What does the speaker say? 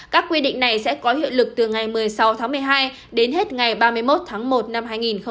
các quy định này sẽ có hiệu lực từ ngày một mươi sáu tháng một mươi hai đến hết ngày ba mươi một tháng một năm hai nghìn hai mươi